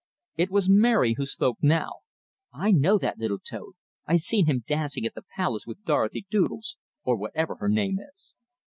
It was Mary who spoke now: "I know that little toad. I've seen him dancing at the Palace with Dorothy Doodles, or whatever her name is."